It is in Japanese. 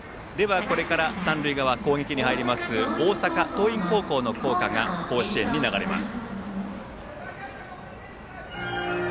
これから三塁側、攻撃に入ります大阪桐蔭高校の校歌が甲子園に流れます。